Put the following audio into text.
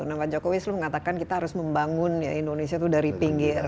nah pak jokowi selalu mengatakan kita harus membangun indonesia itu dari pinggir